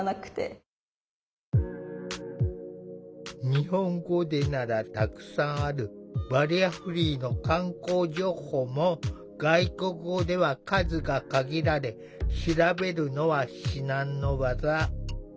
日本語でならたくさんあるバリアフリーの観光情報も外国語では数が限られ調べるのは至難の業。